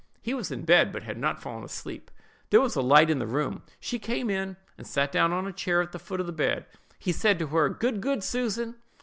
He was in bed, but had not fallen asleep. There was a light in the room; she came in, and sat down on a chair at the foot of the bed. He said to her, 'Good God, Susan!